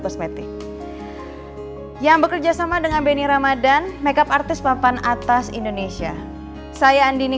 kosmetik yang bekerja sama dengan benny ramadan makeup artis papan atas indonesia saya andini